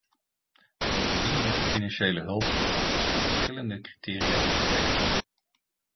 Bovendien wordt de financiële hulp op basis van verschillende criteria verstrekt.